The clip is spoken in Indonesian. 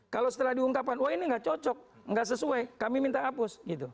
kalau setelah diungkapkan wah ini nggak cocok nggak sesuai kami minta hapus gitu